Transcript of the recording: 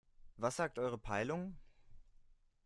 Was sagt eure Peilung?